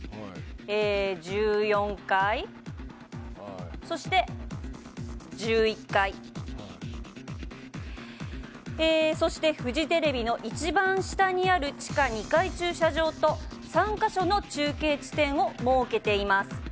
１４階そして１１階そしてフジテレビの一番下にある地下２階駐車場と３カ所の中継地点を設けています。